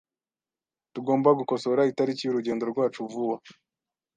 Tugomba gukosora itariki y'urugendo rwacu vuba .